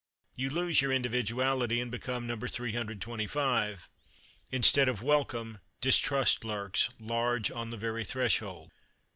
You lose your individuality, and become "Number 325." Instead of welcome, distrust lurks, large, on the very threshold.